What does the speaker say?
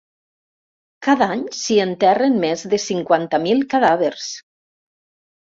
Cada any s’hi enterren més de cinquanta mil cadàvers.